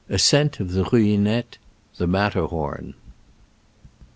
ASCENT OF THE RUINETTE — ^THE MATTER • HORN.